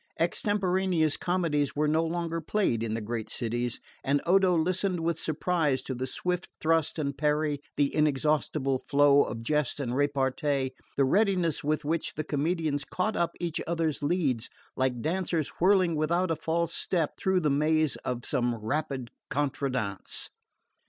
Extemporaneous comedies were no longer played in the great cities, and Odo listened with surprise to the swift thrust and parry, the inexhaustible flow of jest and repartee, the readiness with which the comedians caught up each other's leads, like dancers whirling without a false step through the mazes of some rapid contradance.